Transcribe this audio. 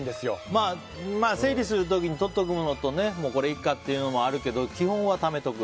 まあ整理する時に取っておくのとこれいいかっていうのあるけどためておく。